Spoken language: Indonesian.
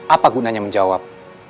apa gunanya menjawab